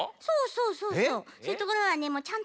そうそうそうそう。